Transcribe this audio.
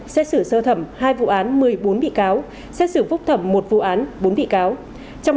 xét xử sơ thẩm hai vụ án một mươi bốn bị cáo xét xử phúc thẩm một vụ án bốn bị cáo